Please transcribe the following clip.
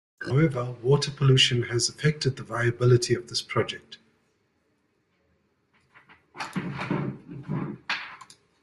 However, water pollution has affected the viability of this project.